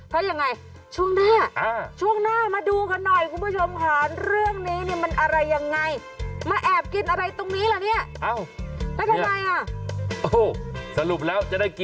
เพราะยังไงช่วงหน้าช่วงหน้ามาดูกันหน่อยคุณผู้ชมค่ะ